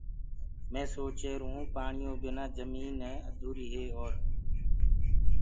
مينٚ سوچهيرو ڪي پآڻيو بنآ جمين اڌوريٚ هي اور